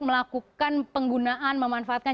melakukan penggunaan memanfaatkan